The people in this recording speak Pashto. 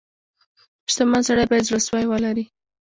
• شتمن سړی باید زړه سوی ولري.